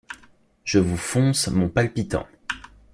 Je vous fonce mon palpitant.